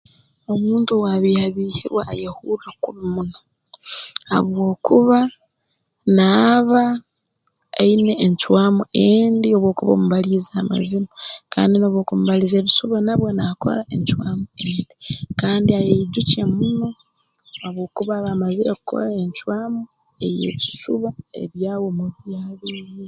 Omuntu owaabiihabiihirwe ayehurra kubi muno habwokuba naaba aine encwamu endi obu okuba omubaliize amazima kandi n'obu okumubaliza nabwo naakora encwamu endi kandi ayeyijukya muno habwokuba aba amazire kukora encwamu ey'ebisuba ebyawe omubiihabiihire